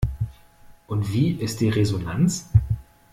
Und wie ist die Resonanz?